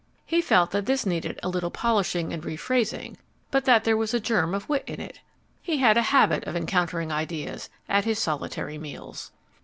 He felt that this needed a little polishing and rephrasing, but that there was a germ of wit in it. He had a habit of encountering ideas at his solitary meals.